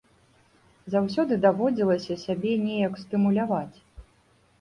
Заўсёды даводзілася сябе неяк стымуляваць.